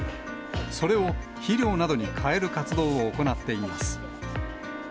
それを、肥料などに変える活動を行っています。